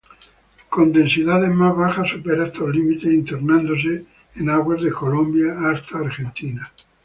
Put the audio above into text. Con densidades más bajas supera estos límites internándose en aguas de Colombia hasta Argentina.